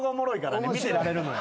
見てられるのよ。